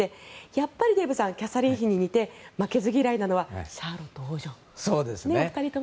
やっぱりキャサリン妃に似て負けず嫌いなのはシャーロット王女と。